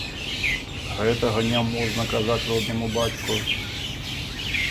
Гэтага няможна казаць роднаму бацьку.